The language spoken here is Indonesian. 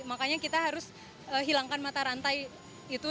makanya kita harus hilangkan mata rantai itu